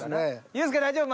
ユースケ大丈夫？